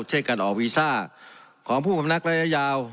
เช่นการออกวีซ่าของผู้กำนักระยะยาว